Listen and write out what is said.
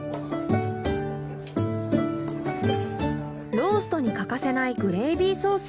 ローストに欠かせないグレイビーソース。